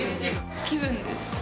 気分です。